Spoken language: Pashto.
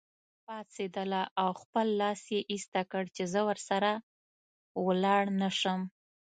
پاڅېدله او خپل لاس یې ایسته کړ چې زه ورسره ولاړ نه شم.